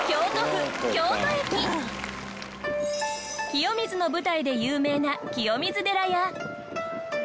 清水の舞台で有名な清水寺や。